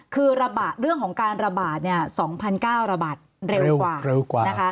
คือเรื่องของการระบาด๒๙๐๐ระบาดเร็วกว่า